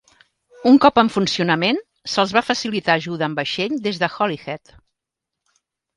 Un cop en funcionament, se'ls va facilitar ajuda amb vaixell des de Holyhead.